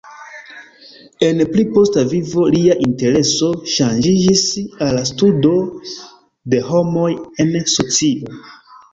En pli posta vivo lia intereso ŝanĝiĝis al studo de homoj en socio.